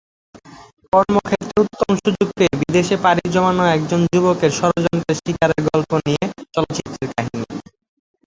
কর্মক্ষেত্রে উত্তম সুযোগ পেয়ে বিদেশে পাড়ি জমানো একজন যুবকের ষড়যন্ত্রের শিকারের গল্প নিয়ে চলচ্চিত্রের কাহিনি।